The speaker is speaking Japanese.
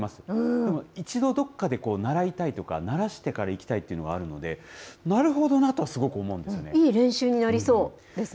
でも一度どっかで習いたいとか、慣らしてから行きたいっていうのはあるので、いい練習になりそうですね。